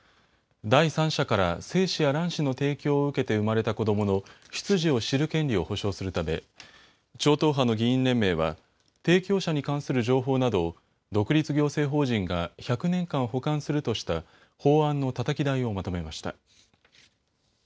第三者から精子や卵子の提供を受けて生まれた子どもの出自を知る権利を保障するため超党派の議員の連盟は提供者に関する情報などを独立行政法人が１００年間保管するとした法案のたたき台をまとめました。